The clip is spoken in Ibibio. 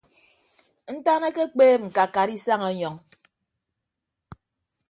Ntan ekpeep ñkakat isañ ọnyọñ.